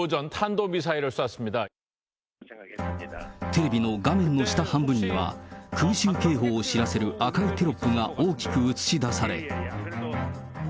テレビの画面の下半分には、空襲警報を知らせる赤いテロップが大きく映し出されている。